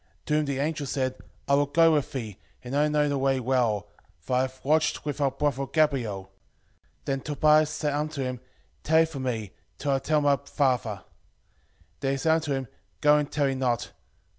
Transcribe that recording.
5:6 To whom the angel said, I will go with thee, and I know the way well: for I have lodged with our brother Gabael. 5:7 Then Tobias said unto him, Tarry for me, till I tell my father. 5:8 Then he said unto him, Go and tarry not.